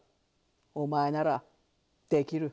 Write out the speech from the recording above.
お前ならできる。